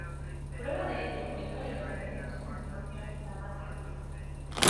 Prueba de ello, el óleo que tenemos a continuación: "La madre indígena".